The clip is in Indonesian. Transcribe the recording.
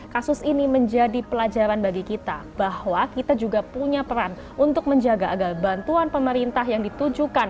kasus ini menjadi pelajaran bagi kita bahwa kita juga punya peran untuk menjaga agar bantuan pemerintah yang ditujukan